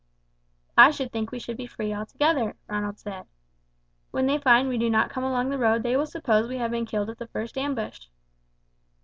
"I should think we should be free altogether," Ronald said. "When they find we do not come along the road they will suppose we have been killed at the first ambush."